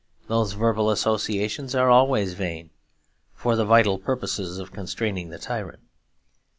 Those verbal associations are always vain for the vital purpose of constraining the tyrant.